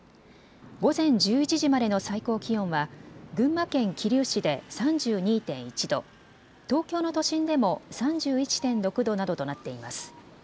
午前１１時までの最高気温は群馬県桐生市で３２．１度、東京の都心でも３１．６度などとなっています。